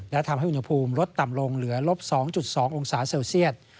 และทำให้อุณหภูมิลดต่ำลงเหลือลบ๒๒องศาเซลเซียต